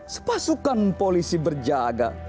sepasukan polisi berjaga